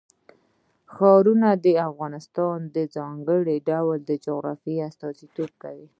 ښارونه د افغانستان د ځانګړي ډول جغرافیه استازیتوب کوي.